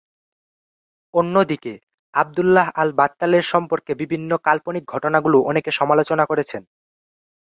অন্যদিকে আবদুল্লাহ আল-বাত্তালের সম্পর্কে বিভিন্ন কাল্পনিক ঘটনাগুলো অনেকে সমালোচনা করেছেন।